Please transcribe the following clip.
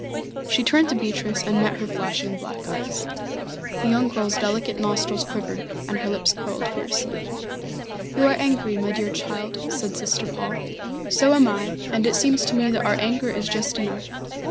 She turned to Beatrice and met her flashing black eyes. The young girl's delicate nostrils quivered and her lips curled fiercely. "You are angry, my dear child," said Sister Paul. "So am I, and it seems to me that our anger is just enough.